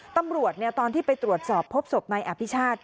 ตอนที่ไปตรวจสอบพบศพนายอภิชาติ